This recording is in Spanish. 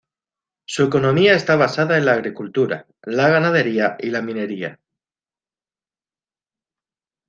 Su economía está basada en la agricultura, la ganadería y la minería.